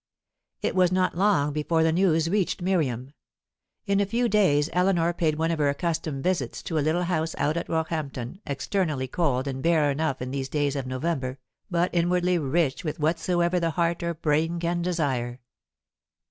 It was not long before the news reached Miriam. In a few days Eleanor paid one of her accustomed visits to a little house out at Roehampton, externally cold and bare enough in these days of November, but inwardly rich with whatsoever the heart or brain can desire.